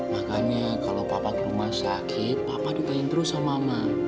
makanya kalau papa ke rumah sakit papa ditanyain terus sama mama